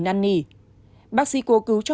năn nỉ bác sĩ cố cứu cho